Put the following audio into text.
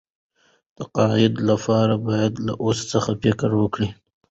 تقاعد لپاره باید له اوس څخه فکر وکړو.